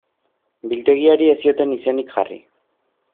Biltegiari ez zioten izenik jarri.